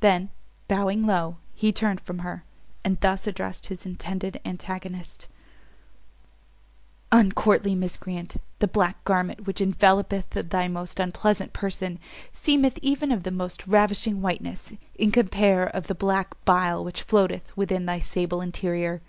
Then, bowing low, he turned from her, and thus addressed his intended antagonist: "Uncourtly Miscreant, The black garment which envellopeth thy most unpleasant person, seemeth even of the most ravishing whiteness, in compare of the black bile which floateth within thy sable interior.